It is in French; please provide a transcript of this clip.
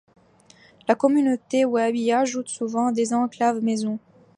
La communauté Web y ajoute souvent des Enclaves maisons.